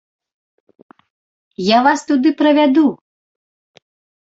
Я вас туды правяду!